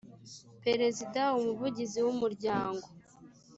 perezida umuvugizi w umuryango